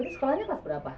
sekolahnya kelas berapa